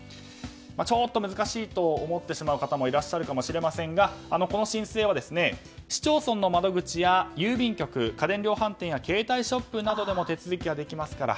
ちょっと難しいと思ってしまう方もいらっしゃるかもしれませんがこの申請は市町村の窓口や郵便局家電量販店や携帯ショップなどでも手続きができます。